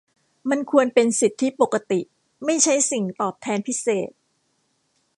มันควรเป็นสิทธิปกติ ไม่ใช่สิ่งตอบแทนพิเศษ